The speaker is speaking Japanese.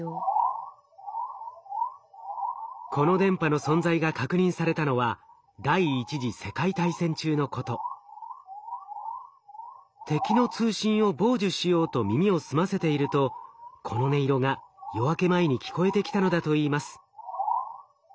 この電波の存在が確認されたのは敵の通信を傍受しようと耳を澄ませているとこの音色が夜明け前に聞こえてきたのだといいます。